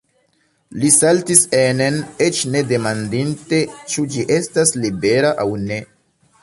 Li saltis enen, eĉ ne demandinte, ĉu ĝi estas libera aŭ ne.